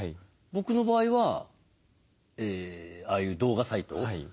僕の場合はああいう動画サイト。